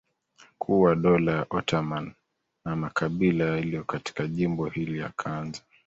kuwa Dola ya Ottoman na makabila yaliyo katika jimbo hili yakaanza